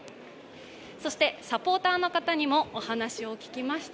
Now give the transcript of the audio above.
そしてサポーターの方にもお話を聞きました。